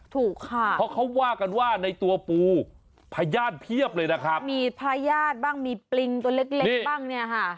ถูกค่ะเพราะเขาว่ากันว่าในตัวปูพญาติเพียบเลยนะครับมีพญาติบ้างมีปริงตัวเล็กเล็กบ้างเนี่ยค่ะ